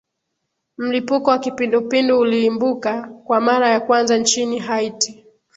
mlipuko wa kipindupindu uliimbuka kwa mara ya kwanza nchini haiti